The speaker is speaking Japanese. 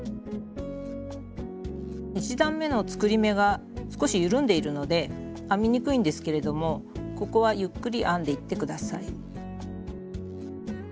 １段めの作り目が少し緩んでいるので編みにくいんですけれどもここはゆっくり編んでいって下さい。